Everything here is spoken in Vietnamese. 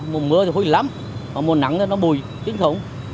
mùa mưa thì hôi lắm mà mùa nắng thì nó bùi chính thống